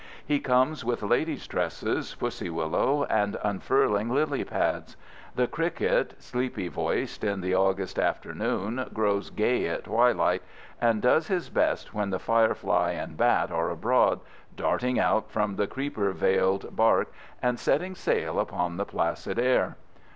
He comes with lady's tresses, pussy willows, and unfurling lily pads. The cricket, sleepy voiced in the August afternoon, grows gay at twilight, and does his best when the firefly and bat are abroad, darting out from the creeper veiled bark and setting sail upon the placid air.